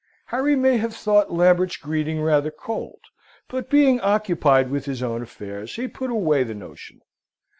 Harry may have thought Lambert's greeting rather cold; but being occupied with his own affairs, he put away the notion.